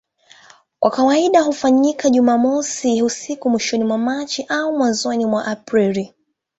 Kwa kawaida hufanyika Jumamosi usiku mwishoni mwa Machi au mwanzoni mwa Aprili.